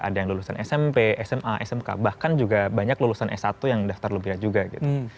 ada yang lulusan smp sma smk bahkan juga banyak lulusan s satu yang daftar rupiah juga gitu